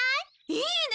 いいね！